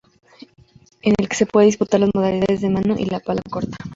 En el que se pueden disputar las modalidades de mano y pala corta.